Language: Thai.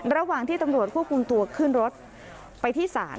ระหว่างที่ตำรวจควบคุมตัวขึ้นรถไปที่ศาล